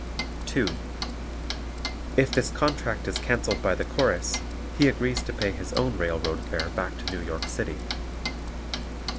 (2) If this contract is cancelled by the Chorus, he agrees to pay his own railroad fare back to New York City.